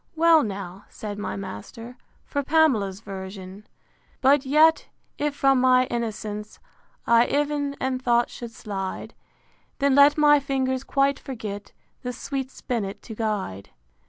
Well, now, said my master, for Pamela's version: V. But yet, if from my innocence I ev'n in thought should slide, Then let my fingers quite forget The sweet spinnet to guide.